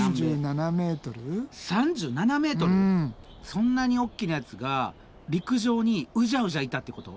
そんなに大きなやつが陸上にうじゃうじゃいたってこと？